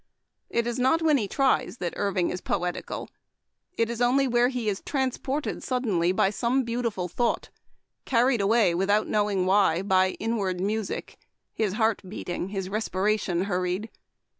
... It is not when he tries that Irving is poetical. It is only where he is transported suddenly by some beautiful thought — carried away, without knowing why, by inward music, his heart beating, his respiration hurried.